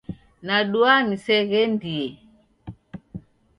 Nadua niseghendie.